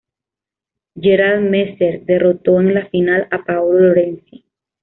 Gerald Melzer derrotó en la final a Paolo Lorenzi.